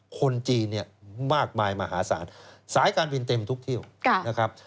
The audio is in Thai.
คนจีนเนี่ยมากมายมหาศาลสายการบินเต็มทุกเที่ยวนะครับ